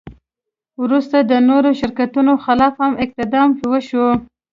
وروسته د نورو شرکتونو خلاف هم اقدام وشو.